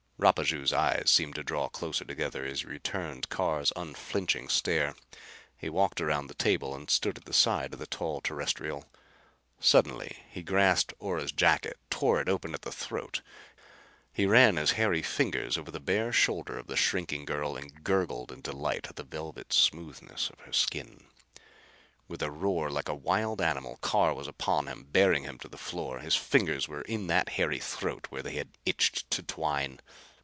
Rapaju's eyes seemed to draw closer together as he returned Carr's unflinching stare. He walked around the table and stood at the side of the tall Terrestrial. Suddenly he grasped Ora's jacket, tore it open at the throat. He ran his hairy fingers over the bare shoulder of the shrinking girl and gurgled his delight at the velvet smoothness of her skin. With a roar like a wild animal Carr was upon him, bearing him to the floor. His fingers were in that hairy throat, where they had itched to twine.